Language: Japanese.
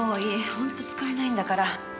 ほんと使えないんだから。